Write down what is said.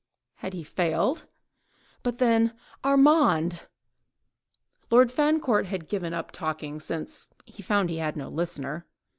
Had he failed? But then—Armand! Lord Fancourt had given up talking since he found that he had no listener.